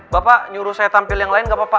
bapak nyuruh saya tampil yang lain gak apa apa